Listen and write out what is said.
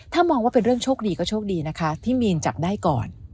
ถ้ามองว่าเป็นเรื่องโชคดีก็โชคดีนะคะที่มีนจับได้ก่อน